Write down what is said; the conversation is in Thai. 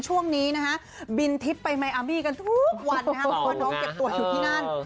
ช่วงนี้นะฮะบินทิพย์ไปไมอาร์บี้กันทุกวันนะครับเพราะว่าน้องเก็บตัวอยู่ที่นั่น